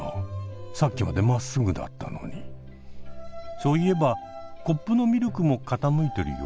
そういえばコップのミルクも傾いてるよ。